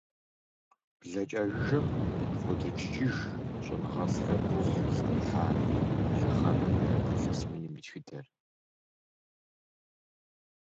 Блэкӏа жыжьэм къыхотэджыкӏыж щӏэныгъэлӏхэр гугъу зыдехьа, ди лъэхъэнэм и япэ илъэс миным и тхыдэр.